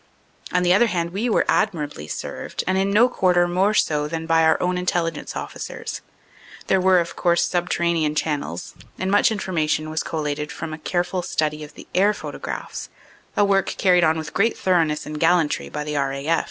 On the other hand we were admirably served, and in no quarter more so than by our own Intelligence officers. There were, of course, subterranean channels, and much information was collated from a careful study of the THE ADVANCE ON DENAIN 345 air photographs, a work carried on with great thoroughness and gallantry by the R. A.